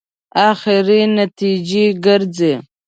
اخري نتیجې ګرځي.